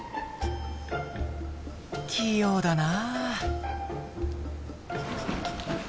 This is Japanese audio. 器用だな。